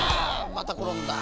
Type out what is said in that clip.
またころんだ。